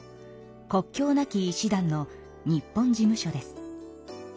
国境なき医師団の日本事務所です。